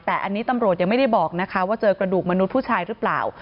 แต่อันนี้ตำรวจยังไม่ได้บอกนะคะว่าเจอกระดูกมนุษย์ผู้ชายหรือเปล่า